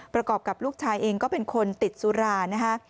ประกอบกับลูกชายเองก็เป็นคนติดสุรานะฮะ